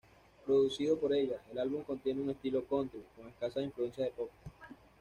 Producido por ella, el álbum contiene un estilo country, con escasas influencias de pop.